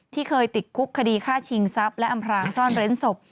เคยติดคุกคดีฆ่าชิงทรัพย์และอำพรางซ่อนเร้นศพ